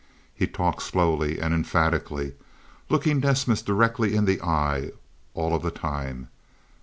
He talked slowly and emphatically, looking Desmas directly in the eye all of the time.